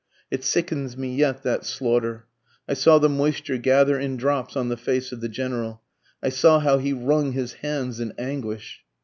It sickens me yet, that slaughter! I saw the moisture gather in drops on the face of the General. I saw how he wrung his hands in anguish.